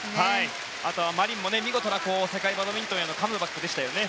あと、マリンも見事な世界バドミントンへのカムバックでしたね。